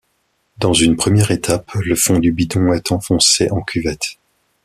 Dans une première étape, le fond du bidon est enfoncé en cuvette.